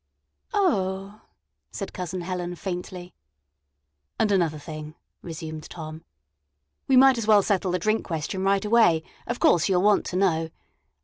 "Oh!" said Cousin Helen faintly. "And another thing," resumed Tom, "we might as well settle the drink question right away of course you 'll want to know.